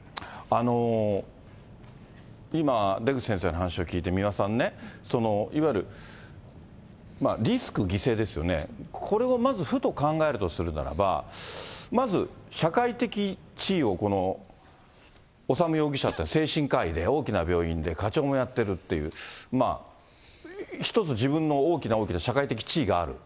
今、出口先生の話を聞いて、三輪さんね、いわゆるリスク、犠牲ですよね、これをまずふと考えるとするならば、まず社会的地位をこの修容疑者っていうのは精神科医で、大きな病院で科長もやっているっていう、１つ、自分の大きな大きな社会的地位がある。